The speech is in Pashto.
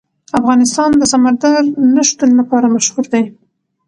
افغانستان د سمندر نه شتون لپاره مشهور دی.